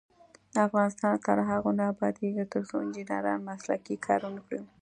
افغانستان تر هغو نه ابادیږي، ترڅو انجنیران مسلکي کار ونکړي.